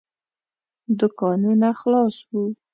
دوکانونه خلاص وو.